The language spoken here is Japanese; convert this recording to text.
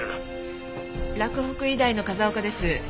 洛北医大の風丘です。